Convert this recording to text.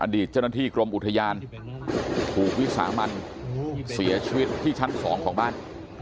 เจ้าหน้าที่กรมอุทยานถูกวิสามันเสียชีวิตที่ชั้น๒ของบ้าน